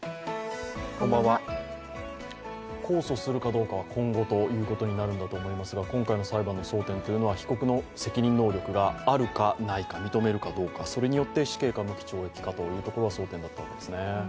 控訴するかどうかは今後ということになるんだと思いますが今回の裁判の争点というのは被告人の責任能力があるかないか認めるかどうかそれによって死刑か無期懲役かどうかが争点だったわけですね。